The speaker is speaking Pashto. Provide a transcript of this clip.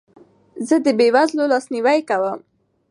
زه د بې وزلو لاسنیوی کوم.